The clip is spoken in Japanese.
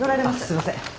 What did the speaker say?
すいません。